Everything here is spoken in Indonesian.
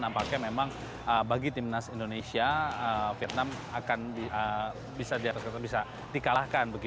nampaknya memang bagi timnas indonesia vietnam akan bisa dikalahkan